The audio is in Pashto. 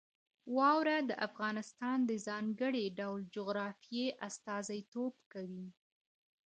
واوره د افغانستان د ځانګړي ډول جغرافیې استازیتوب کوي.